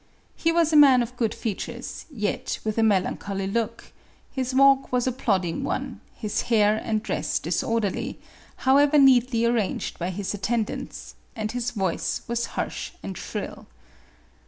He was a man of good features, yet with a melancholy look ; his walk was a plodding one ; his hair and dress disorderly, however neatly arranged by his attendants, and his voice was harsh and shrill.